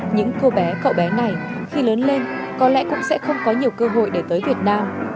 những cô bé cậu bé này khi lớn lên có lẽ cũng sẽ không có nhiều cơ hội để tới việt nam